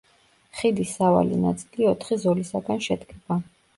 ხიდის სავალი ნაწილი ოთხი ზოლისაგან შედგება.